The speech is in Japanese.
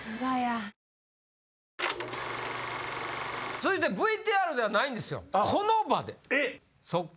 続いてＶＴＲではないんですよ。